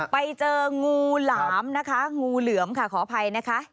ไปเจองูหลามนะคะงูเหลือมค่ะขออภัยนะคะ